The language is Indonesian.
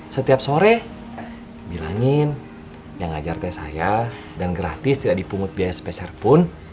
setiap sore bilangin yang ngajar teh saya dan gratis tidak dipungut biaya spesial pun